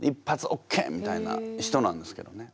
オッケーみたいな人なんですけどね